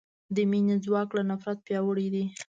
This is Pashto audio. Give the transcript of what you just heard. د مینې ځواک له نفرت پیاوړی دی.